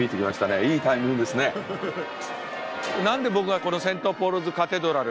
何で僕がこのセントポールズカテドラル